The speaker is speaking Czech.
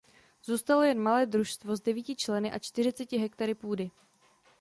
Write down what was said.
Zůstalo jen malé družstvo s devíti členy a čtyřiceti hektary půdy.